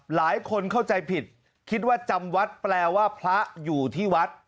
หลายคนเข้าใจผิดคิดว่าจำวัดแปลว่าพระอยู่ที่วัด